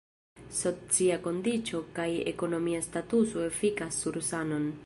Socia kondiĉo kaj ekonomia statuso efikas sur sanon.